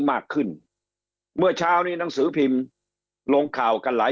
มากขึ้นเมื่อเช้านี้หนังสือพิมพ์ลงข่าวกันหลาย